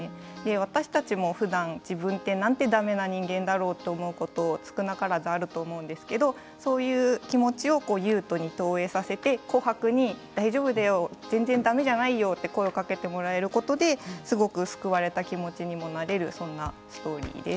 私たちはふだん自分ってなんてだめな人間だろうと思うこと少なからずあると思うんですけどそういう気持ちを悠人に投影させて琥珀に大丈夫だよ全然だめじゃないよと声をかけてもらえることですごく救われた気持ちにもなれるそんなストーリーです。